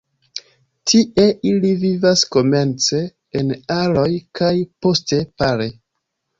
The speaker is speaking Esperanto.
Tie ili vivas komence en aroj kaj poste pare.